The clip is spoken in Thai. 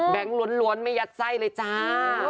ล้วนไม่ยัดไส้เลยจ้า